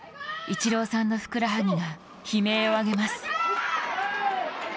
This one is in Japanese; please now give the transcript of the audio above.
イチローさんのふくらはぎが悲鳴を上げます。